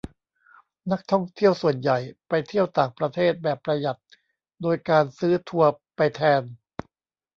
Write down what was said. นักท่องเที่ยวส่วนใหญ่ไปเที่ยวต่างประเทศแบบประหยัดโดยการซื้อทัวร์ไปแทน